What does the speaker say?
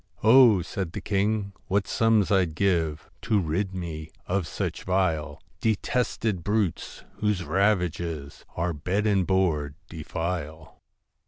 ' Oh !' said the king, ' what sums I 'd give To rid me of such vile Detested brutes, whose ravages Our bed and board defile